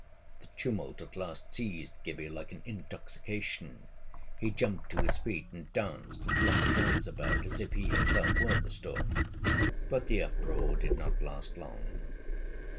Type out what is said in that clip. The tumult at last seized Gibbie like an intoxication; he jumped to his feet, and danced and flung his arms about, as if he himself were the storm. But the uproar did not last long.